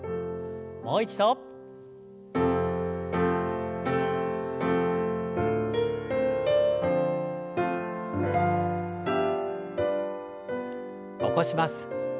もう一度。起こします。